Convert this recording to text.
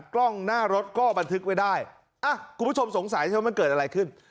กล้องหน้ารถก็บันทึกไว้ได้อ่ะคุณผู้ชมสงสัยใช่ไหมมันเกิดอะไรขึ้น